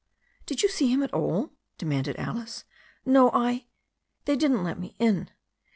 "Did you see him at all?" demanded Alice. "No — I — ^they didn't let me in."